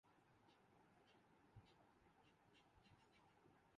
کرن جوہر کے شوکافی ود